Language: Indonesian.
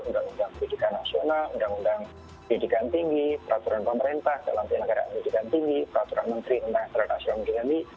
undang undang pendidikan nasional undang undang pendidikan tinggi peraturan pemerintah dalam tenaga negara pendidikan tinggi peraturan menteri undang undang ekstranasional